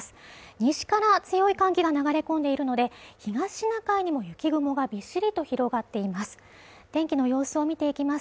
西から強い寒気が流れ込んでいるので東シナ海にも雪雲がびっしりと広がっています